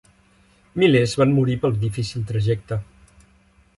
Milers van morir pel difícil trajecte.